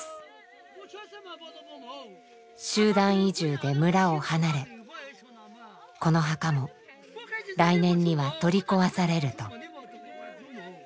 集団移住で村を離れこの墓も来年には取り壊されると。